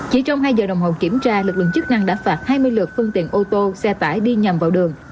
chỉ trong hai giờ đồng hồ kiểm tra lực lượng chức năng đã phạt hai mươi lượt phương tiện ô tô xe tải đi nhầm vào đường